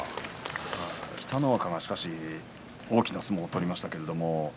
北の若が大きな相撲を取りました